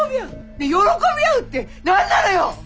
ねっ喜び合うって何なのよ！